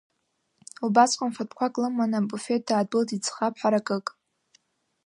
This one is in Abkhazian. Убасҟан, фатәқәак лыманы, абуфеҭ даадәылҵит ӡӷаб ҳаракык.